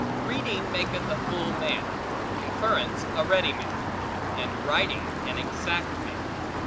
Reading maketh a full man; conference a ready man; and writing an exact man.